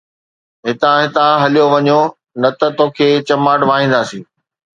ھتان ھتان ھليو وڃو نه ته توکي چماٽ وهائينداسين